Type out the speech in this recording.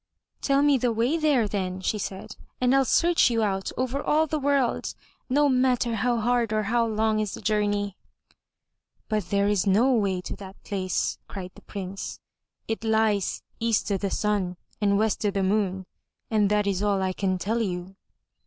"Tell me the way there then," she said, "and I'll search you out over all the world, no matter how hard or how long is the journey." "But there is no way to that place," cried the Prince. "It lies EAST O' THE SUN AND WEST O' THE MOON and that is all I can tell you."